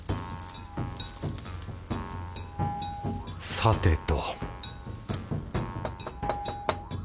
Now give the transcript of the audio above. さてと